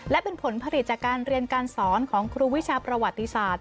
และเป็นผลผลิตจากการเรียนการสอนของครูวิชาประวัติศาสตร์